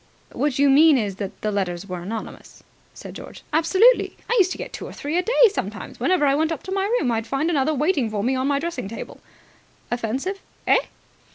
"What you mean is that the letters were anonymous," said George. "Absolutely. I used to get two or three a day sometimes. Whenever I went up to my room, I'd find another waiting for me on the dressing table." "Offensive?" "Eh?"